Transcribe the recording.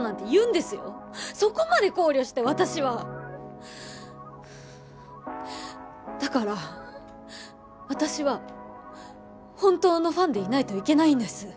そこまで考慮して私はだから私は本当のファンでいないといけないんです